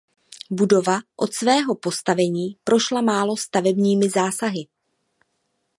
Budova od svého postavení prošla málo stavebními zásahy.